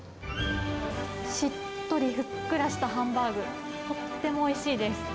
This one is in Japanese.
しっとりふっくらしたハンバーグ、とってもおいしいです。